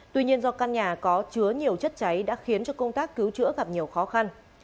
tuy nhiên do căn nhà có chứa nhiều chất cháy đã khiến cho công tác cứu chữa gặp nhiều khó khăn